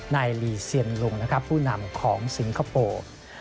นายลีเซียนรุงผู้นำของสิงคโปร์